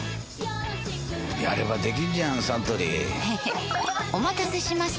やればできんじゃんサントリーへへっお待たせしました！